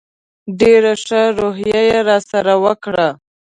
ډېره ښه رویه یې راسره وکړه.